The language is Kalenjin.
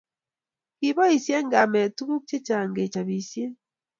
Ki boisie kamet tuguk che chang kechopisie